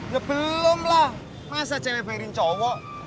ya belum lah masa cewek bayarin cowok